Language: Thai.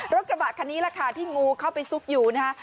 รถกระบะคันนี้แหละค่ะที่งูเข้าไปซุกอยู่นะฮะ